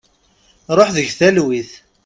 Ruḥ deg talwit.